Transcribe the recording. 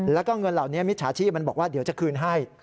แล้วก็เงินเหล่านี้มิจฉาชีพมันบอกว่าเดี๋ยวจะคืนให้